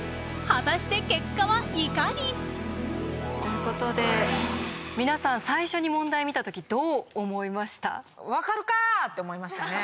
果たして結果はいかに？ということで皆さん最初に問題見た時どう思いました？って思いましたね。